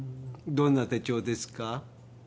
どんな手帳ですか？